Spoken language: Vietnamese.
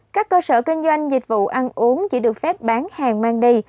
các cơ sở kinh doanh dịch vụ ăn uống chỉ được phép bán hàng mang đi